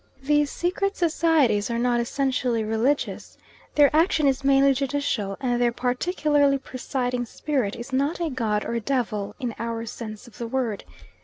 These secret societies are not essentially religious, their action is mainly judicial, and their particularly presiding spirit is not a god or devil in our sense of the word.